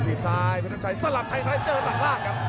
ฝีดซ้ายเป็นใส่สลับใส่สลับเจอต่างล่างครับ